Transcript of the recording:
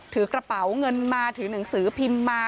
ถือกระเป๋าเงินมาถือหนังสือพิมพ์มา